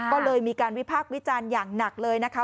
ก็เลยมีการวิพากษ์วิจารณ์อย่างหนักเลยนะคะ